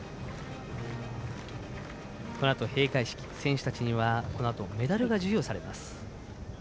このあと閉会式選手たちにはこのあとメダルが授与されます。